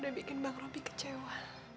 udah bikin bang roby kecewa